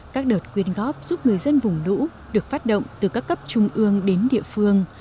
các đợt quyên góp giúp người dân vùng lũ được phát động từ các cấp trung ương đến địa phương